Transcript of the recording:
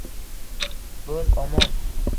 Bo’l omon.